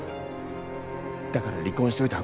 だから離婚しといたほうが。